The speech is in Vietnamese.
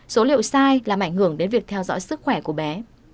số liệu sai làm ảnh hưởng đến việc theo dõi sức khỏe của bé